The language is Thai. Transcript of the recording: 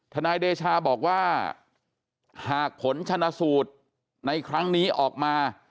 นายเดชาบอกว่าหากผลชนะสูตรในครั้งนี้ออกมา